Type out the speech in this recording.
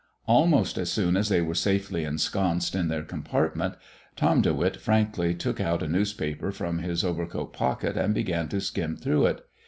Almost as soon as they were safely ensconced in their compartment, Tom De Witt frankly took out a newspaper from his overcoat pocket and began to skim through it.